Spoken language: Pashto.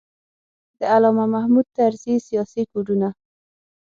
د علامه محمود طرزي سیاسي کوډونه.